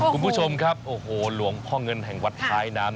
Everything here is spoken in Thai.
คุณผู้ชมครับโอ้โหหลวงพ่อเงินแห่งวัดท้ายน้ำ